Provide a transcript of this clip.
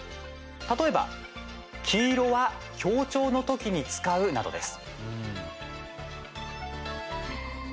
例えば、黄色は強調の時に使うなどです。